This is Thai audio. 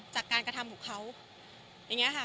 จากการกระทำของเขา